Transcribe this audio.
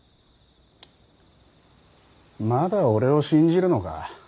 まだ俺を信じるのか。